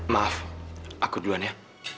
maaf aku duluan ya